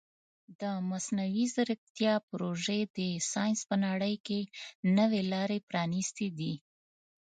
د مصنوعي ځیرکتیا پروژې د ساینس په نړۍ کې نوې لارې پرانیستې دي.